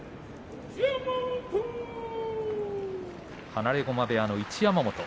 放駒部屋の一山本。